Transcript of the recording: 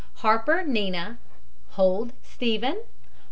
HARPER, NINA. HOLD, STEPHEN.